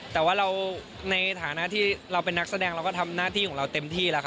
แต่ว่าเราในฐานะที่เราเป็นนักแสดงเราก็ทำหน้าที่ของเราเต็มที่แล้วค่ะ